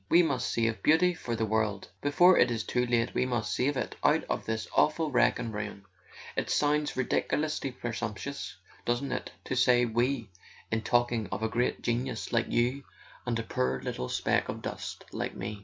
We must save Beauty for the world; before it is too late we must save it out of this awful wreck and ruin. It sounds ridiculously presump¬ tuous, doesn't it, to say 'we' in talking of a great genius like you and a poor little speck of dust like me